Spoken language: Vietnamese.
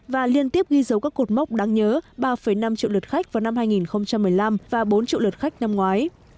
và liên tiếp ghi dấu các cột mốc đáng nhớ ba năm triệu lượt khách vào năm hai nghìn một mươi năm và bốn triệu lượt khách năm ngoái